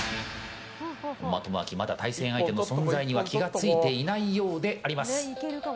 本間朋晃まだ対戦相手の存在には気が付いていないようであります。